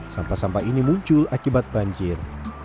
sampah sampah ini muncul akibat banjir